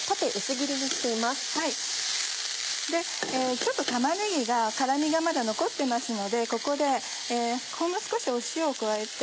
ちょっと玉ねぎが辛みがまだ残ってますのでここでほんの少し塩を加えて。